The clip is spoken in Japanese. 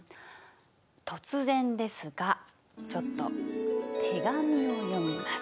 突然ですがちょっと手紙を読みます。